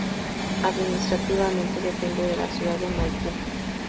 Administrativamente depende de la ciudad de Maipú.